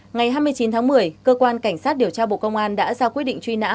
ngày hai mươi chín tháng một mươi cơ quan cảnh sát điều tra bộ công an đã ra quyết định truy nã